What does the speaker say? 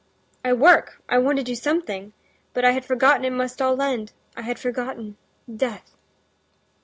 "I work, I want to do something, but I had forgotten it must all end; I had forgotten—death."